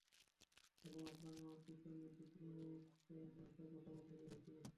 এবং, আপনাকে আমার পিছনে বিদ্রুপমার্কা কথা বলতে দেখেছি!